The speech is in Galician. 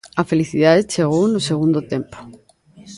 A felicidade chegou no segundo tempo.